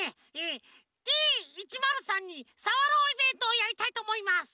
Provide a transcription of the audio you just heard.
「Ｄ１０３にさわろうイベント」をやりたいとおもいます。